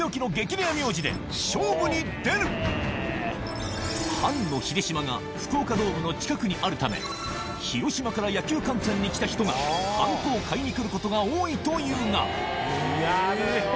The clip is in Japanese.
レア名字で勝負に出るはんのひでしまが福岡ドームの近くにあるため広島から野球観戦に来た人がはんこを買いにくることが多いというがえヘヘヘ。